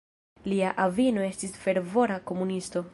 Lia avino estis fervora komunisto.